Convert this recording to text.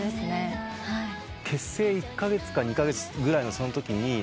結成１カ月か２カ月ぐらいのそのときに。